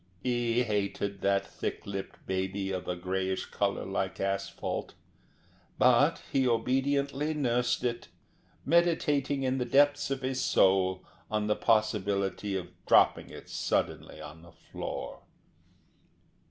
He hated that thick lipped baby of a greyish colour like asphalt, but he obediently nursed it, meditating in the depths of his soul on the possibility of dropping it suddenly on the floor.